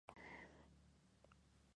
Nabu, o Fate, residía en el "Casco de Nabu".